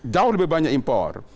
jauh lebih banyak impor